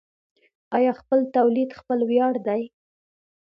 آیا خپل تولید خپل ویاړ دی؟